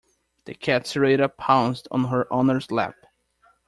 The cat Sarita pounced on her owner's lap.